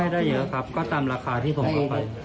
ได้เยอะครับก็ตามราคาที่ผมเข้าไป